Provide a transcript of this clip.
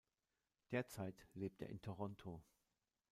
Derzeit lebt er in Toronto.